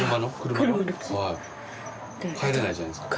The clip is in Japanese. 帰れないじゃないですか。